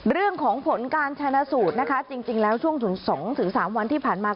เรื่องของผลการชนะสูตรนะคะจริงแล้วช่วงถึง๒๓วันที่ผ่านมา